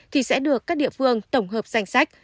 thì sẽ được các địa phương tổng hợp danh sách